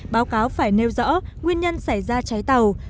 báo cáo phải nêu rõ nguyên nhân xảy ra cháy tàu